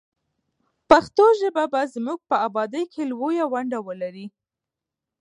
پښتو ژبه به زموږ په ابادۍ کې لویه ونډه ولري.